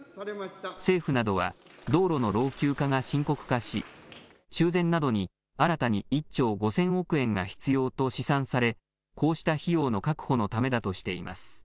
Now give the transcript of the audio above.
政府などは道路の老朽化が深刻化し修繕などに新たに１兆５０００億円が必要と試算され、こうした費用の確保のためだとしています。